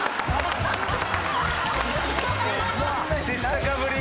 知ったかぶり！